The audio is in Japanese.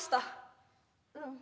うん。